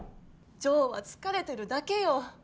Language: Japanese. ジョーは疲れてるだけよ。